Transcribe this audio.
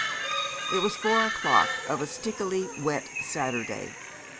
It was four o'clock of a stickily wet Saturday.